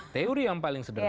teori yang paling sederhana